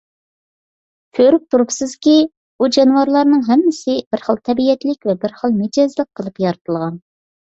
كۆرۈپ تۇرۇپسىزكى، بۇ جانىۋارلارنىڭ ھەممىسى بىر خىل تەبىئەتلىك ۋە بىر خىل مىجەزلىك قىلىپ يارىتىلغان.